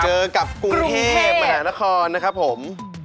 เจอกับกรุงเทพมหานครนะครับผม